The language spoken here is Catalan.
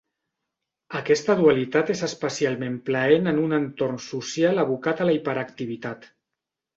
Aquesta dualitat és especialment plaent en un entorn social abocat a la hiperactivitat.